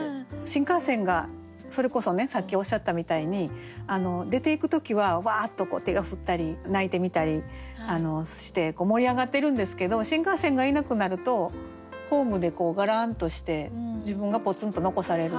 新幹線がそれこそさっきおっしゃったみたいに出ていく時はわあっと手を振ったり泣いてみたりして盛り上がってるんですけど新幹線がいなくなるとホームでがらんとして自分がぽつんと残される。